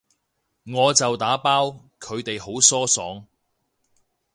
我就打包，佢哋好疏爽